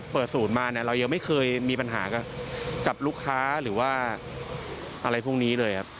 เปิดสูตรมาเนี่ยเรายังไม่เคยมีปัญหากับลูกค้าหรือว่าอะไรพวกนี้เลยครับ